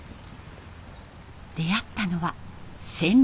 出会ったのは鮮緑。